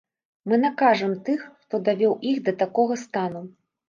Мы накажам тых, хто давёў іх да такога стану.